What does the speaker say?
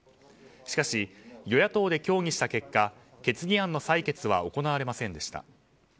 しかし、与野党で協議した結果決議案の採決は行われませんでした。